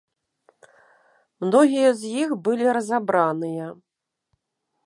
Многія з іх былі разабраныя.